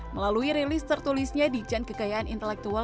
melalui rilis tertulisnya di jan kekayaan intelektual